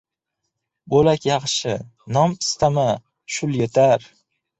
Bo‘lak yaxshi nom istama, shul yetar —